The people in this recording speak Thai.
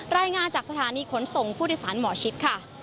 รายงานจากสถานีขนส่งผู้โดยสารหมอชิดค่ะ